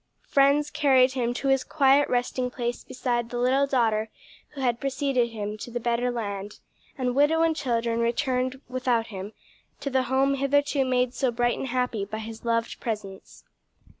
Friends carried him to his quiet resting place beside the little daughter who had preceded him to the better land, and widow and children returned without him to the home hitherto made so bright and happy by his loved presence.